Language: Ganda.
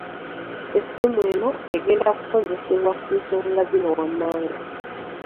Essimu eno egenda kukozesebwa ku nsonga zino wammanga.